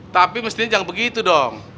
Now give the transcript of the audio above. tapi mestinya jangan begitu dong